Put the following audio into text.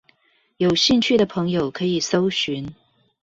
有興趣的朋友可以蒐尋